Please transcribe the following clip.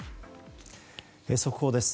速報です。